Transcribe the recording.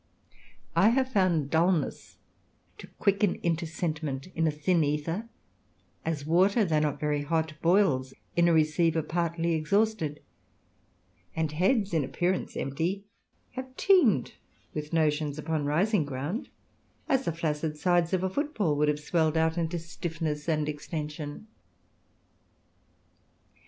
I have found dulness to quicken into sentiment in a thin ether, as water, though not very hot, boils in a receiver partly exhausted ; and heads, in appear ance empty, have teemed with notions upon rising ground, as the flaccid sides of a football would have swelled out into stiffness and extension.